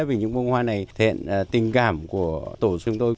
vì những bông hoa này thể hiện tình cảm của tổ chúng tôi